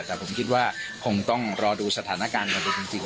แต่ผมคิดว่าคงต้องรอดูสถานการณ์แบบนี้จริง